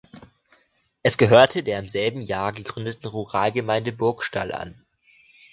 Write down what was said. Es gehörte der im selben Jahr gegründeten Ruralgemeinde Burgstall an.